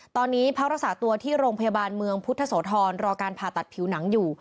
ตอนนี้พักรักษาตัวที่โรงพยาบาลเมืองพุทธโสธรรอการผ่าตัดผิวหนังอยู่